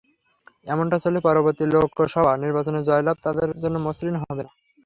এমনটা চললে পরবর্তী লোকসভা নির্বাচনে জয়লাভ তাদের জন্য মসৃণ হবে না।